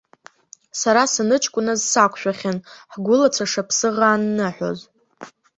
Сара саныҷкәыназ сақәшәахьан ҳгәылацәа шаԥсыӷаа анныҳәоз.